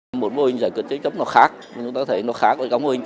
một môi trường kinh doanh chấp nó khác chúng ta thấy nó khác